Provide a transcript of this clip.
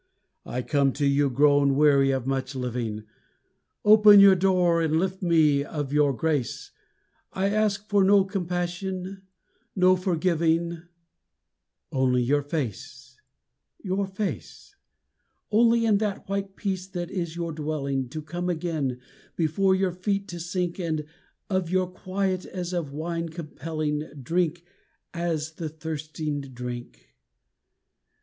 I come to you grown weary of much living, Open your door and lift me of your grace, I ask for no compassion, no forgiving, Only your face, your face; Only in that white peace that is your dwelling To come again, before your feet to sink, And of your quiet as of wine compelling Drink as the thirsting drink.